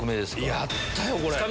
やったよ！